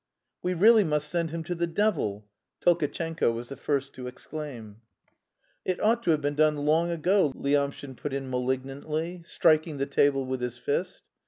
"We really must send him to the devil!" Tolkatchenko was the first to exclaim. "It ought to have been done long ago," Lyamshin put in malignantly, striking the table with his fist.